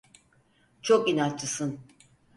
Çok inatçısın.